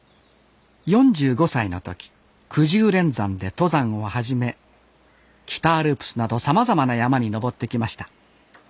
４５歳の時くじゅう連山で登山を始め北アルプスなどさまざまな山に登ってきました。